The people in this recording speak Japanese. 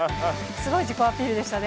すごい自己アピールでしたね。